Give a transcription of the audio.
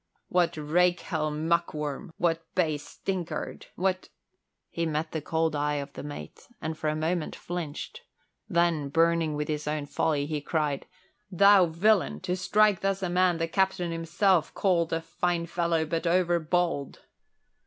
"What rakehell muckworm, what base stinkard, what " He met the cold eye of the mate and for a moment flinched, then, burning with his own folly, he cried, "Thou villain, to strike thus a man the captain himself called a fine fellow but overbold!"